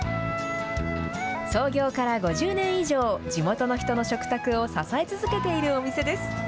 創業から５０年以上、地元の人の食卓を支え続けているお店です。